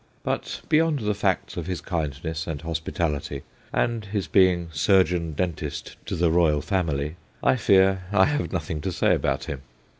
But beyond the facts of his kindness and hospi tality, and his being surgeon dentist to the royal family, I fear I have nothing to say about him.